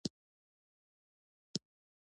راځه ! چې ځو.